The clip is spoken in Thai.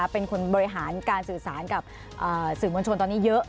เป็นคนบริหารการสื่อสารกับสื่อมวลชนตอนนี้เยอะ